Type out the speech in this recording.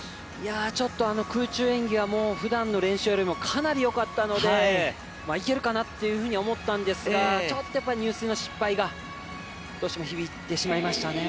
ちょっと空中演技は普段の練習よりはかなりよかったのでいけるかなっていうふうには思ったんですがちょっと入水の失敗がどうしても響いてしまいましたね。